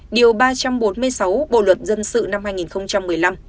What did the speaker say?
điều ba trăm bốn mươi sáu bộ luật dân sự năm hai nghìn một mươi năm